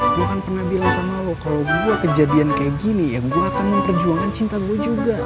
gue akan pernah bilang sama lo kalau gue kejadian kayak gini ya gue akan memperjuangkan cinta gue juga